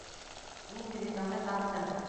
Мин билетымды таптым!